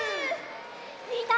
みんな！